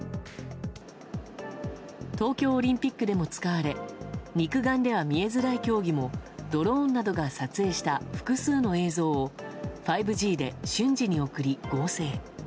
東京オリンピックでも使われ肉眼では見えづらい競技もドローンなどが撮影した複数の映像を５Ｇで瞬時に送り、合成。